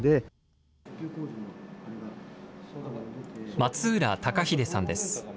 松浦孝英さんです。